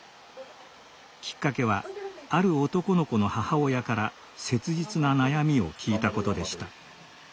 きっかけはある男の子の母親から切実な悩みを聞いたことでした。